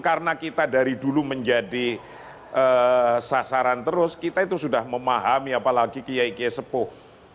karena kita dari dulu menjadi sasaran terus kita itu sudah memahami apalagi kia kia sepuh